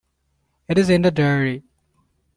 It's in the diary.